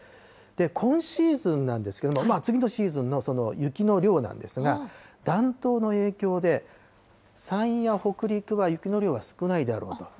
今シーズンなんですけれども、次のシーズンの雪の量なんですが、暖冬の影響で、山陰や北陸は雪の量は少ないだろうと。